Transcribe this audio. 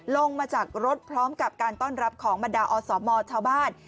ลงมาจากรถพร้อมกับการต้อนรับของบรรดาอสมชาวบ้าน